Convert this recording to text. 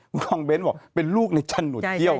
พวกองเบ้นท์บอกเป็นลูกในจันทร์หนุดเขี้ยว